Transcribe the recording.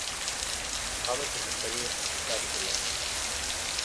قابلته في الطريق ذلك اليوم.